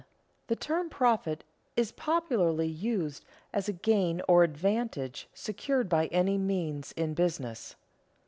_The term profit is popularly used as any gain or advantage secured by any means in business.